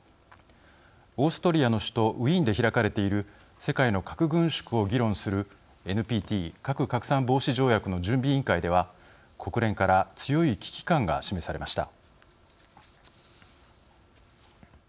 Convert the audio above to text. オーストリアの首都ウィーンで開かれている世界の核軍縮を議論するＮＰＴ＝核拡散防止条約の準備委員会では国連から強い危機感が示されました。